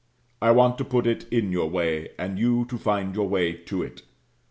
I want to put it in your way, and you to find your way to it.